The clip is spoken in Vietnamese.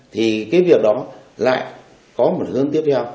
thì cái việc đó lại có một hướng tiếp theo